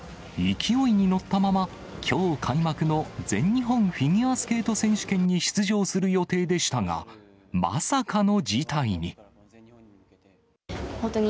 勢いに乗ったまま、きょう開幕の全日本フィギュアスケート選手権に出場する予定でしたが、まさかの事態に。